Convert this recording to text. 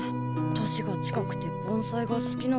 年が近くて盆栽が好きな子。